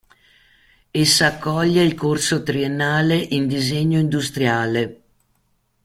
Essa accoglie il corso triennale in disegno industriale.